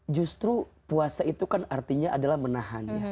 justru puasa itu kan artinya adalah menahan ya